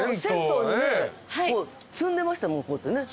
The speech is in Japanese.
こう積んでましたもんこうやってね。